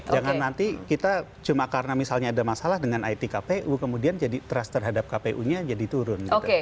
jangan nanti kita cuma karena misalnya ada masalah dengan it kpu kemudian jadi trust terhadap kpu nya jadi turun